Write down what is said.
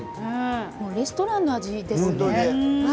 レストランの味ですよね。